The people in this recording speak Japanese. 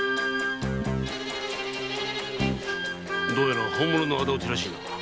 どうやら本物の敵討ちらしいな。